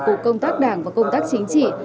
cục công tác đảng và công tác chính trị